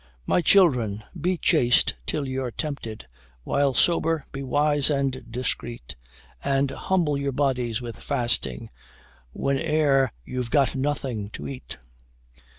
My children, be chaste till you're tempted While sober, be wise and discreet And humble your bodies with fasting, Whene'er you've got nothing to eat.